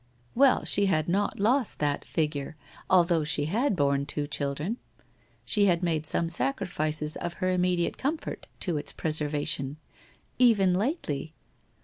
' Well, she had not lost that figure, although she had borne two children. She had made some sacrifices of her im mediate comfort to its preservation, even lately